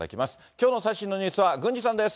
きょうの最新のニュースは郡司さんです。